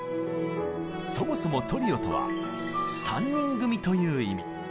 そもそも「トリオ」とは３人組という意味。